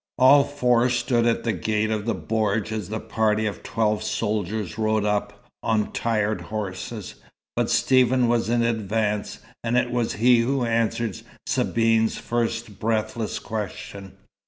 All four stood at the gate of the bordj as the party of twelve soldiers rode up, on tired horses; but Stephen was in advance, and it was he who answered Sabine's first breathless question.